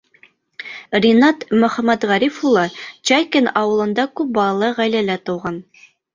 Ринат Мөхәмәтғариф улы Чайкин ауылында күп балалы ғаиләлә тыуған.